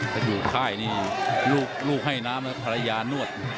ถ้าอยู่ค่ายนี่ลูกให้น้ำแล้วภรรยานวด